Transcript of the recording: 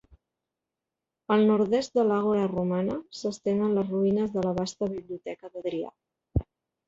Al nord-oest de l'Àgora romana s'estenen les ruïnes de la vasta Biblioteca d'Adrià.